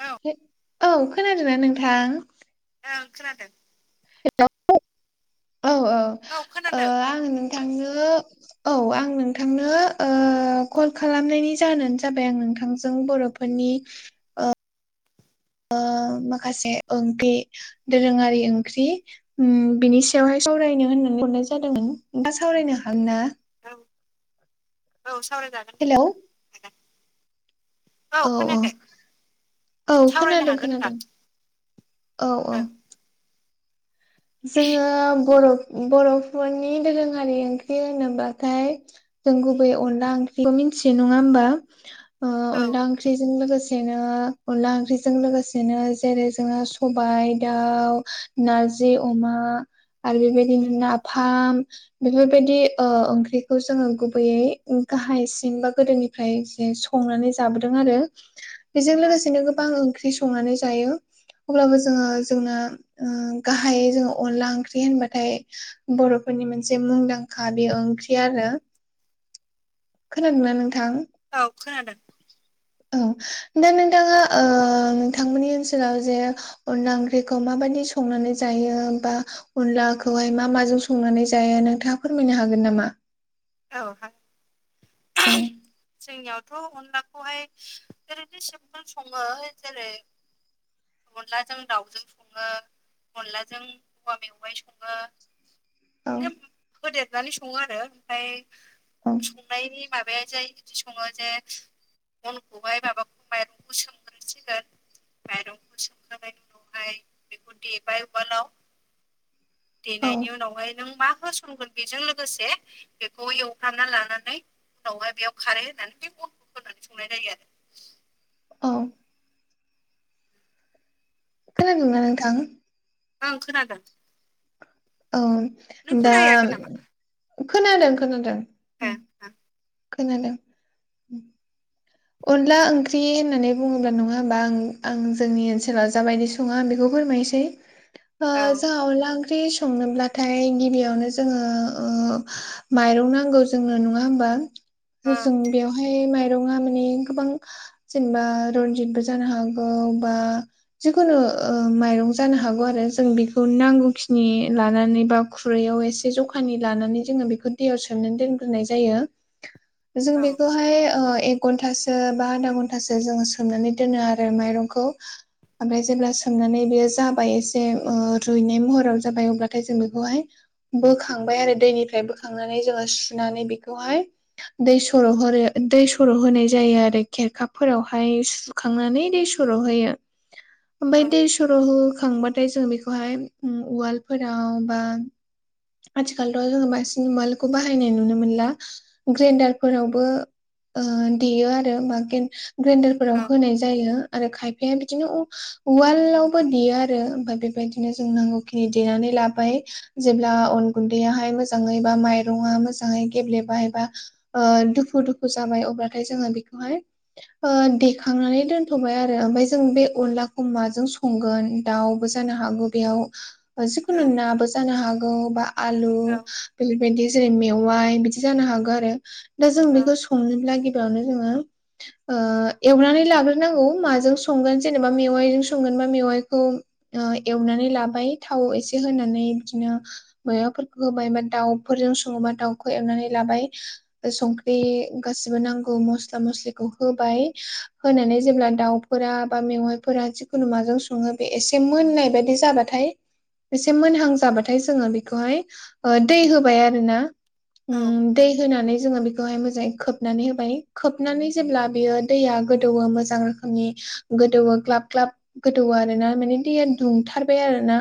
औ औ। खोनादोना नोंथां? ओं खोनादों। हेल' औ खोनादों। दा आं नोथां जो गो औ आं नोंथांनो ओ कल खालामनायनि जाहानो जाबाय आं नोंथांजों बर' फोनि ओ माखासे ओंखि दोरोङारि ओंख्रि उम बिनि सायावहाय सावरायनो होननानै हरनाय जादोंमोन सावरायनो हागोन ना? औ औ सावरायजा हेलौ [inaudible] औ खोनायाखै औ सावरायनो खोनादों हागोन खोनादों होनदां। औ औ। ओं जोङो बर'- बर'फोरनि दोरोङारि ओंख्रि होनोब्लाथाय जों गुबै अनला ओंख्रिखौ मिथियो नङा होमबा ओ औ अनला ओंख ख्रिजों लोगोसेनो अनला ओंख्रिजों लोगोसेनो जेरै जोंङो सबायाइ दाउ, नारजि अमा आरो बेबायदिनो नाफाम। बेफोरबायदि ओ ओंख्रिखौ जोङो गुबैयै गाहायसिम बा गोदोनि फ्राय जे संनानै जाबोदों आरो। [inaudible] बेजों लोगोसेनो गोबां ओंख्रि संनानै जायो अब्लाबो जोङो जोंना ओ गाहायै जोङो अनला ओंख्रि होनबाथाय बर'फोरनि मोनसे मुंदांखा बे ओंख्रि आरो। खोनादोंना नोंथां? औ खोनादों। औ दा नोंथाङा ओ थांमोननि ओनसोलाव जे अनला ओंख्रिखौ माबायदि संनानै जायो बा अनलाखौहाय मा माजों संनानै जाया नोंथाङा फोरमायनो हागोन नामा? औ औ हाग जोंनियावथ' अनलाखौहाय ओरैनो सिमपोल सङो जेरै अनलाजों दाउजों सङो, अनलाजों औवा मेवाइ सङो। औ नोब होदेरनानै सङो आरो ओमफाय संनायनि माबाय जाय बिदि सङो जे अनखौहाय माबाखौ माइरंखौ सोमग्रोसिगोन माइरं सोमखाबाय बेखौहाय बेखौ देबाय उवालाव औ देनायनि उनावहाय नों मा होसनगोन बेजों लोगोसे बेखौ एवखाना लानानै उनावहाय बेयाव खारो होननानै बे बलखौ होनानै संनाय जायो आरो औ। खोनादों ना नोंथां। ओं खोनादों। औ नों दा खोनाहैयाखै नामा खोनादों खोनादों। ए उम ओं खोनादों। अनला ओंख्रि होननानै बुङोब्ला नङा होमबा आं आं जोंनि ओनसोलाव जाबायदि सङो आं बेखौ फोरमायनोसै। [inaudible] ओ जोंहा अनला ओख्रि संनोब्लाथाय गिबियावनो जोङो ओ माइरं नांगौ जोंनो नङा होनबा औ जों बेवहाय माइरंआव माने गोबां जेनेबा रनजितबो जानो हागौ बा जिखुनु ओ माइरं जानो हागौ आरो जों बेखौ नांगौखिनि लानानै बा गुरैयाव एसे जखानि लानानै जोङो दैयाव सोमनानै दोनग्रोनाय जायो। [inaudible] जों बेखौहाय ओ एक घन्टासो बा आधा घन्टासो जोङो सोमनानै दोनो आरो माइरंखौ ओमफाय जेब्ला सोमनानै बेयो जाबाय एसे ओ रुइनाय महराव जाबाय अब्लाथाय जों बेखौहाय बोखांबाय आरो दैनिफ्राय बोखांनानै जोङो सुनानै बेखौहाय दै सरहरयो दै सर' होनाय जायो आरो खेरखाफोरावहाय सुखांनानै दै सर' होयो। औ ओमफाय दै सर होखांबाथाय जों बे खौहाय उम उवाल फोरावबा आथिखालावथ' जोङो बांसिन उवालखौ बाहायनाय नुनो मोनला। ग्रेडार फोरावबो ओ देयो आरो मा ग्रेडारफोराव औ होनाय जायो आरो खायफाया बिदिनो उवालावबो देयो आरो ओमफाय बेबायदिनो जों नांगौखिनि देनानै लाबाय जेब्ला अन गुन्दैयाहाय मोजाङै बा माइरं आ मोजाङै गेब्लेबाय बा ओ दुफु दुफु जाबाय अब्लाथाय जोङो बेखौहाय ओ देखांनानै दोनथ'बाय आरो ओमफाय जों बे अनलाखौ माजों संगोन दाउबो जानो हागौ बेयाव औ जिखुनु नाबो जानो हागौ बा आलु औ बेलेबायदि जायो मेवाइ बिदि जानो हागौ आरो दा जों बेखौ संनोब्ला गिबावनो जोङो ओ एवनानै लाग्रोनांगौ माजों संगोन जेनेबा मेवाइजों संगोन बा मेवाइखौ ओ एवनानै लाबाय थाव एसे होनानै बिदिनो मेवाफोरखौ होबाय बा दाउफोरजों सङोबा दाउखौ एवनानै लाबाय संख्रि गासिबो नांगौ मस्ला मस्लिखौ होबाय होनानै जेब्ला दाउफोरा बा मेवाइफोरा जिखुनु माजों सङो बे एसे मोननाय बायदि जाबाथाय एसे मोनहां जाबाथाय जोङो बेखौहाय ओ दै होबाय आरो ना औ उम दै होनानै जोङो बेखौहाय मोजाङै खोबनानै होबाय खोबनानै जेब्ला बियो दैया गोदौवो मोजां मानि गोदौवो ग्लाब ग्लाब गोदौवो आरो ना माने दैया दुंथारबाय आरो ना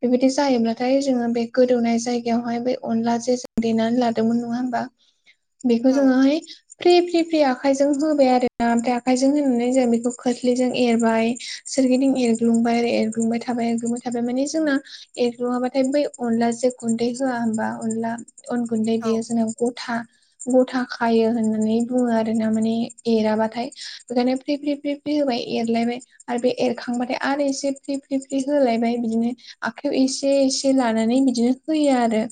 बेबायदि जायोब्लाथाय जोङो बे गोदौनाय जायगायावहाय बे अनला जे जों देनानै लादोंमोन नङा होमबा? बेखौ जोङोहाय फ्रि फ्रि फ्रि आखायजों होबाय आरो ना ओमफ्राय आखायजों होनानै जों बेखौ खोस्लिजों एरबाय। सोरगिदिं एरग्लुंबाय आरो एरग्लुंबाय थाबाय एरग्लुंबाय थाबाय मान जोंना एरग्लुङाबाथाय बै अनला जे गुन्दै होवा होमबा अनला अन गुन्दै बियो जेनबा गथा गथा खायो होननानै बुङो आरो ना माने एराबाथाय। ओंखायनो फ्रि फ्रि होबाय एरलायबाय आरो बे एरखांबाथाय आरो एसे फ्रि फ्रि फ्रि होलायबाय बिदिनो आखाइयाव एसे एसे ला लानानै बिदिनो होयो आरो।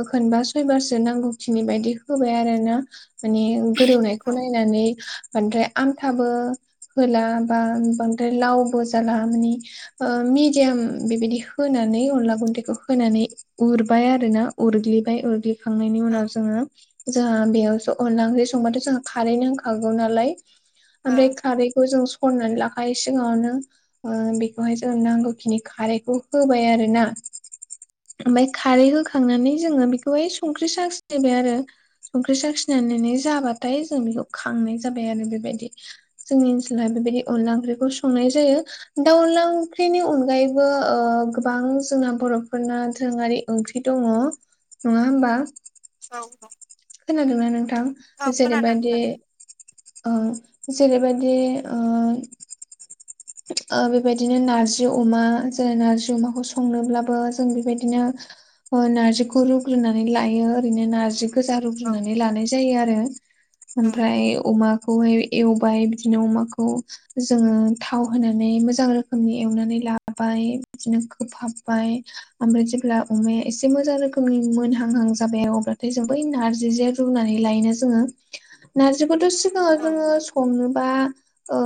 ओ खनबा सयबारसो नांगौ खिनि बायदि होबाय आरो ना। माने गोदौनायखौ नायनानै बांद्राय आमथाबो होला बा बांद्राय लावबो जाला माने ओ मिडियाम बेबायदि होनानै अनला गुन्दैखौ होनानै उरबाय आरो ना उरग्लिबाय उरग्लिखांनायनि औ ओं उनाव जोङो जोंहा बेयावसो अनला ओंख्रि संबाथ' जोंहा खारै नांखागौ नालाय। ओमफ्राय खारैखौ जों सरनानै लाखायो सिगाङावनो। ओ बेखौहाय जों नांगौखिनि खारैखौ होबाय आरो ना। ओमफ्राय खारै होखांनानै जोङो बेखौहाय संख्रि साखिनायबाय आरो। संख्रि साखिनायनानै जाबाथाय जों खांनाय जाबाय आरो बेबायदि। जोंनि ओनसोलावहाय बेबायदि अनला ओंख्रिखौ संनाय जायो। दा अनला ओंख्रिनि अनगायैबो ओ गोबां जोंना बर' फोरना दोरोङारि ओंख्रि दङ' नङा होमबा? औ औ। खोनादोंना नोंथां? खोनादों जेरैबायदि खोनादों ओ जेरैबायदि ओ ओ बेबायदिनो नारजि अमा जाय नारजि अमाखौ संनोब्लाबो जों बेबायदिनो ओ नारजिखौ रुग्रोनानै लायो ओरैनो नारजि गोजा औ रुग्रुनानै लानाय जायो आरो ओं ओमफ्राय अमा खौहाय एवबाय बिदिनो अमाखौ जोङो थाव होनानै मोजां रोखोमनि एवनानै लाबाय बिदिनो खोहाबबाय। ओमफ्राय जेब्ला अमाया एसे मोजां रोखोमनि मोनहांहां जाबाय अब्लाथाय जों बै नारजि जे रुनानै लायोना जोङो नारजिखौथ' सि ङाव औ जोङो संनोबा ओ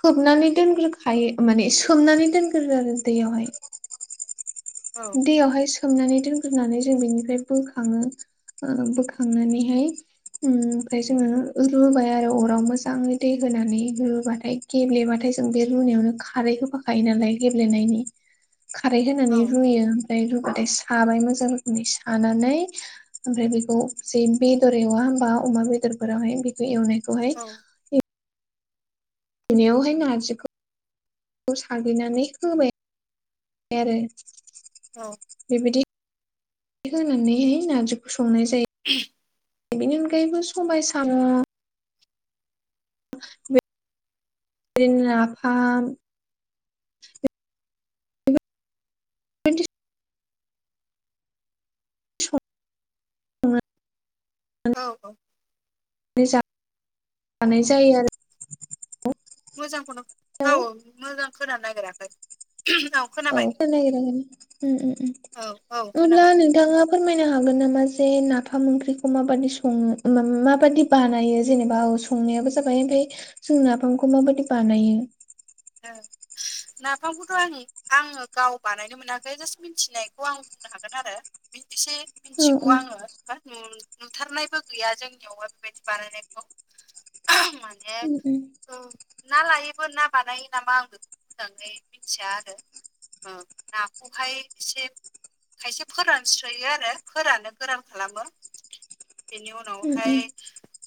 खोबनानै दोनग्रोखायो माने सोमनानै दोनगोरो आरो दैयावहाय। औ दैयावहाय सोमनानै दोनग्रोनानै जों बिनिफ्राय बोखाङो ओ बोखांनानैहाय ओम ओमफ्राय जोङो रुबाय आरो अराव मोजाङै दै होनानै रुबाथाय गेब्लेबाथाय जों बे रुनायावनो खारै होफाखायो नालाय गेब्लेनायनि। [inaudible] खारै होनानै औ रुयो ओमफ्राय रुुबाथाय साबाय मोजां रोखोमनि सानानै ओमफ्राय बेखौ जे बेदर एवा होमबा अमा बेदरफोरावहाय बेखौ एवनायखौहाय औ एवनायावहाय नारजिखौ साग्लिनानै होबाय आरो। औ। बिदि होनानैहाय नारजिखौ संनाय जायो। [inaudible] बेनि अनगायैबो सबाइ साम' बिदिनो नाफाम [unintelligible] सं औ औ [unintelligible] जायो आरो। मोजांखौनो औ औ मोजां खोनानो नागिराखै औ। औ [unintelligible] ओम खोनाबाय औ औ ओम अब्ला खोनाबाय नों नोंथाङा फोरमायनो हागोन जे नाफाम ओंख्रिखौ माबादि सङो? माबादि बानायो जेनेबा औ संनायाबो जाबाय ओमफाय जों नाफामखौ माबायदि बानायो? औ नाफामखौथ' आं आङो गाव बानायनो मोनाखै जास्ट मिथिनायखौ आं बुंनो हागोन आरो। एसे औ मिथिगौ उम आङो बा नुथारनायबो गैया जोंनियावहाय बेबायदि बानायनायखौ माने उम ओम ना लायैबो ना बानायो नामा आं बेखौ मोजाङै मिथिया आरो। ओ नाखौहाय एसे खायसे फोरानस्रोयो आरो फोरानो गोरान खालामो बेनि उम उनावहाय उम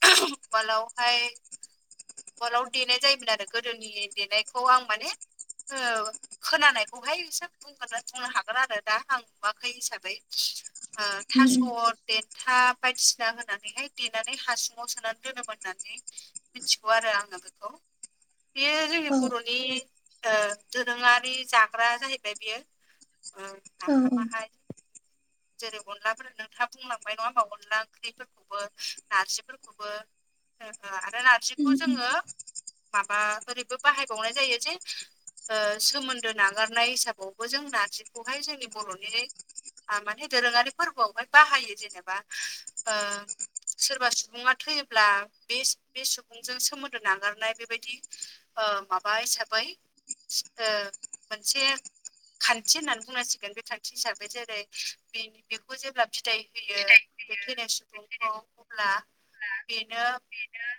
उवालावहाय उवालाव देनाय जायोमोन आरो गोदोनि देनायखौ आं माने ओ खोनानायखौहायसो बुंगोन बुंनो हागोन आरो दा आं नुवाखै हिसाबै ओ थास' देन्था बायदिसिना होनानैहाय देनानै हासुङाव सोनानै दोनोमोन होननानै मिथिगौ आरो आङो बेखौ। बेयो जोंनि औ बर'नि ओ दोरोङारि जाग्रा जाहैबाय बियो ओ औ औ नाफामाहाय जेरै अनलाफोर नोंथाङा बुंलांबाय नङा होमबा अनला ओंख्रिफोरखौबो नारजिफोरखौबो। आरो उम नारजिखौ उम जोङो माबा ओरैबो बाहायबावनाय जायो जे ओ सोमोन्दो नागारनाय हिसाबावबो जों नारजिखौहाय जोंनि बरनि माने दोरोङारि फोरबोआवहाय बाहायो जेनेबा ओ सोरबा सुबुङा थैयोब्ला बे बे सुबुंजों सोमोन्दो नागारनाय बेबायदि ओ माबा हिसाबै [unintelligible] मोनसे खान्थि होननानै बुंनांसिगोन बे खान्थि हिसाबै जेरै बेनि बेखौ जेब्ला बिदाइ होयो बे थैनाय सुबुंखौ अब्ला बेनो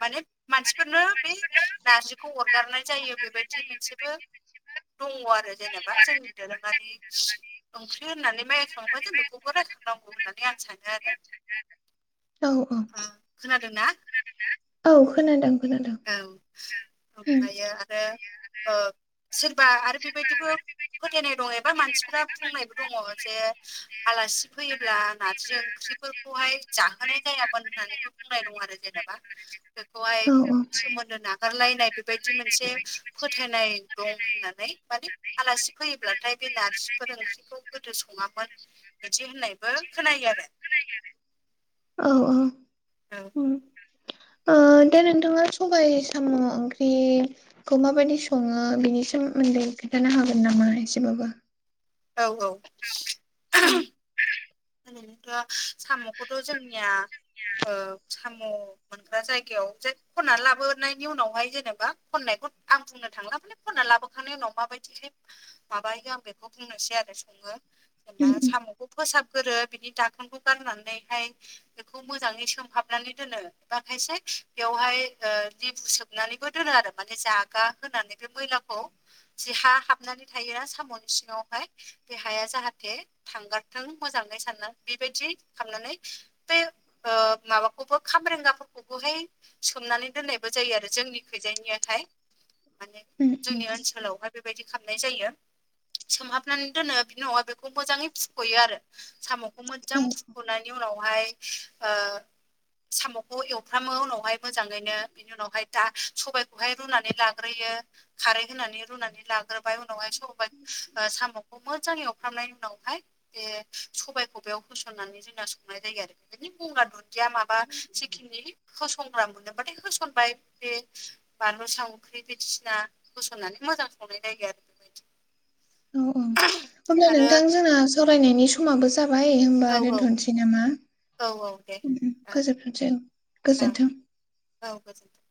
माने मानसिफोरनो बे नार्जिखौ अरगारनाय जायो बेबायदि मोनसेबो दङ आरो जेनेबा जोंनि दोरोङारि ओंर्खि होननानै माइ जों बेखौबो रायखांनांगौ होननानै आं सानो आरो ना औ औ उम खोनादों ना औ खोनादों खोनादों औ उम ओमफ्रायो आरो ओ सोरबा आरो बेबायदिबो फोथायनाय दङ एबा मानसिफ्रा बुंनायबो दङ जे आलासि फैयोब्ला नारजि ओंख्रिफोर खौहाय जाहोनाय जायामोन होननानैबो बुंनाय दं आरो जेनेबा बेखौहाय औ औ सोमोन्दो नागारलायनाय बेबायदि मोनसे फोथायनाय दं होननानै माने आलासि फैयोब्लाथाय बे नारजिफोर ओंख्रिखौ गोदो सङामोन बिदि होननायबो खोनायो आरो। औ औ। ओ उम [unintelligible] नोंथाङा सबाय साम ओंख्रि खौ माबायदि सङो बेनि सोमोन्दै खोन्थानो हागोन नामा एसेबाबो औ औ ओरैनोथ सामखौथ जोंनिया ओ साम मोनग्रा जायगायाव जै खनना लाबोनायनि उनावहाय जेनेबा खननायखौ आं बुंनो थांला माने खनना लाबोखानाय उनाव माबायदि माबायो आं बेखौ बुंनोसै आरो सङो जेनबा सामखौ फोसाबगोरो बिनि दाखोनखौ गारनानैहाय बेखौ मोजाङै सोमहाबनानै दोनो बा खायसे बेवहाय लेबु सोब नानैबो दोनो आरो माने जागा होनानै बे मैलाखौ जि हा हाबनानै थायो सामनि सिङावहाय बे हाया जाहाथे थांगारथों मोजाङै सानना बेबायदि खालामनानै बे ओ माबाखौबो खाम्रेंगा फोरखौबोहै सोमनानै दोननायबो जायो आरो जोंनि खैजायनियाहाय माने जोंनि ओनसोलावहाय बेबायदि खालामनाय जायो। सोमहाबनानै दोनो बिदि नवा बेखौ मोजाङै फुखयो आरो। साम'खौ औ मोजां फुखनायनि उनावहाय ओ सामखौ एवफ्रामो उनावहाय मोजाङैनो बेनि उनावहाय दा सबायखौहाय रुनानै लाग्रोयो खारै होनानै रुनानै लाग्रोबाय उनावहाय सब ओ साम'खौ मोजां एवफ्रामनायनि उनावहाय बे सबायाइखौ बेयाव होसननानै जोंना संनाय जायो आरो। बिनि गंगार दुन्दिया माबा जिखिनि होसनग्रा मोनदों बाथाय होसनबाय [unintelligible] [unintelligible] बायदिसिना होसननानै मोजां संनाय जायो आरो बेबायदि औ औ अब्ला आरो नोंथां जोंना सावरायनायनि स माबो जाबाय होनोमबा औ औ दोनथसै नामा? औ औ दे [unintelligible] ओं औ गोजोनथों। औ गोजोनथों।